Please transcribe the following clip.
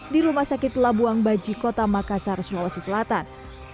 di rumah sakit labuang baji kota makassar sulawesi selatan